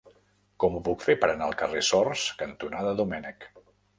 Com ho puc fer per anar al carrer Sors cantonada Domènech?